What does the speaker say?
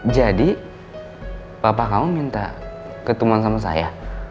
jadi papa kamu minta ketemuan sama saya